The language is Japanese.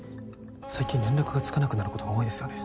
最近連絡がつかなくなることが多いですよね。